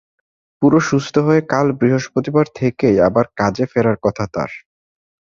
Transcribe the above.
পুরো সুস্থ হয়ে কাল বৃহস্পতিবার থেকেই আবার কাজে ফেরার কথা তাঁর।